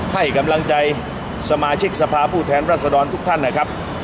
ให้กำลังใจสมาชิกสภาพผู้แทนรัศดรทุกท่านนะครับ